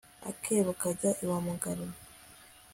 akebo kajya i wa mugarura